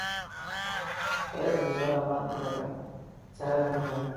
خدای دی د زړه ارمان پوره که سره له مونږه